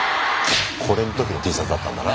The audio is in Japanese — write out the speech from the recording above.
これの時のＴシャツだったんだな。